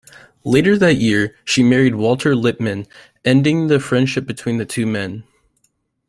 Later that year, she married Walter Lippmann, ending the friendship between the two men.